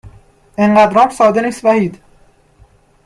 انقدرام ساده نیست وحید